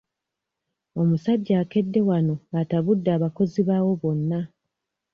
Omusajja akedde wano atabudde abakozi baawo bonna.